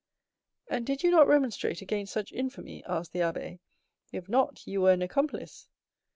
"And did you not remonstrate against such infamy?" asked the abbé; "if not, you were an accomplice."